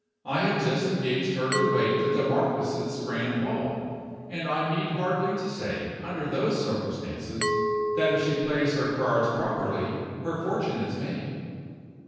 I have just engaged her to wait at the marquis's grand ball, and I need hardly say, under those circumstances, that if she plays her cards properly her fortune is made."